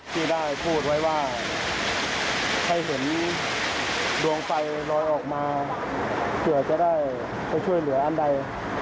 ที่ได้พูดไว้ว่าให้เห็นดวงไฟลอยออกมาเผื่อจะได้ไปช่วยเหลืออันใด